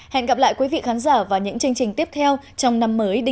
hẹn gặp lại quý vị khán giả vào những chương trình tiếp theo trong năm mới